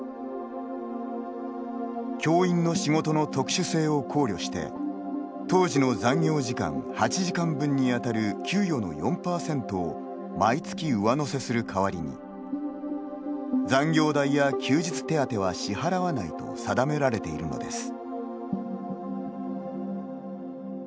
教員の仕事の特殊性を考慮して当時の残業時間８時間分に当たる給与の４％を毎月、上乗せする代わりに残業代や休日手当は支払わないと定められているのです。